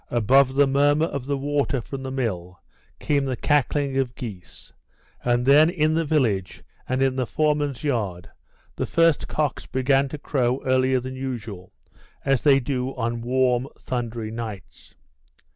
Above the murmur of the water from the mill came the cackling of geese, and then in the village and in the foreman's yard the first cocks began to crow earlier than usual, as they do on warm, thundery nights.